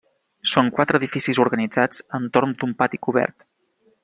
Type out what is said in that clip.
Són quatre edificis organitzats entorn d'un pati cobert.